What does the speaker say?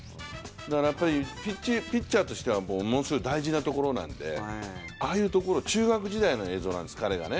だからピッチャーとしてはものすごく大事なところなのでああいうところ、中学時代の映像なんです、彼がね。